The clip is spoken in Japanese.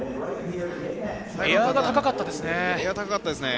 エアが高かったですね。